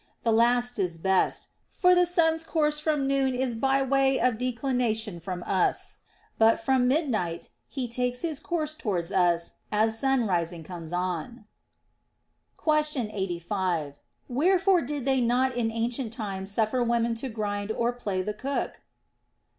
The last is best, for the sun's course from noon is by way of declination from us ; but from midnight he takes his course towards us, as sunrising comes on. Question 85. Wherefore did they not in ancient times suffer women to grind or play the cook